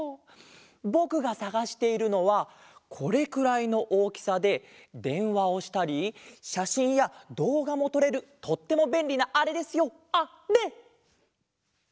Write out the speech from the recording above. ぼくがさがしているのはこれくらいのおおきさででんわをしたりしゃしんやどうがもとれるとってもべんりなあれですよあれ！